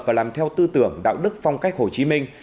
và làm theo tư tưởng đạo đức phong cách hồ chí minh